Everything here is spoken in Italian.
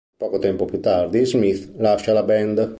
Poco tempo più tardi, Smith lascia la band.